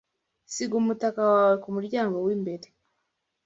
Siga umutaka wawe kumuryango wimbere.